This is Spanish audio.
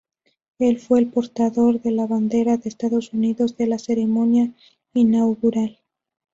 Él fue el portador de la bandera de Estados Unidos en la ceremonia inaugural.